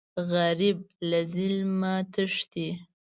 غریب له ظلم نه تښتي